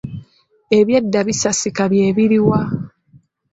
Ebyedda bisasika bye biruwa?